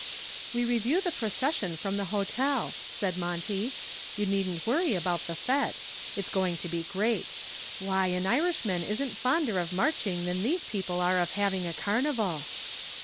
"We review the procession from the hotel," said Monty. "You needn't worry about the fete. It's going to be great. Why, an Irishman isn't fonder of marching than these people are of having a carnival."